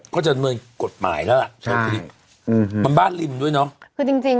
ก็จะเหมือนกฎหมายแล้วอะใช่มันบ้านริมด้วยเนอะคือจริงจริง